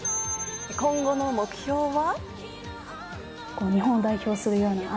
今後の目標は。